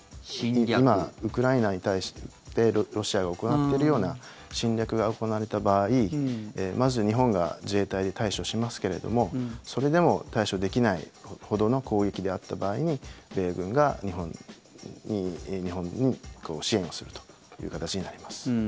今、ウクライナに対してロシアが行っているような侵略が行われた場合、まず日本が自衛隊で対処しますけれどもそれでも対処できないほどの攻撃であった場合に米軍が日本に支援をするという形になります。